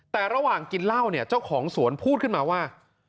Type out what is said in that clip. แต่ระหว่างกินเหล้าเนี่ยเจ้าของสวนพูดขึ้นมาว่า